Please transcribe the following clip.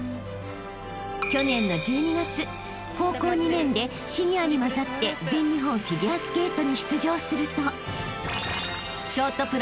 ［去年の１２月高校２年でシニアに交ざって全日本フィギュアスケートに出場すると］